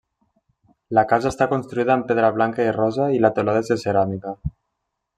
La casa està construïda amb pedra blanca i rosa i la teulada és de ceràmica.